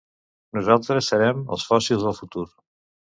Nosaltres serem els fòssils del futur